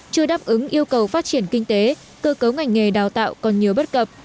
chưa đáp ứng yêu cầu phát triển kinh tế cơ cấu ngành nghề đào tạo còn nhiều bất cập